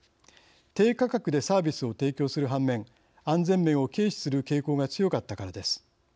低価格でサービスを提供する反面安全面を軽視する傾向が強かったからです。